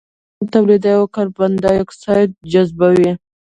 نباتات اکسيجن توليدوي او کاربن ډای اکسايد جذبوي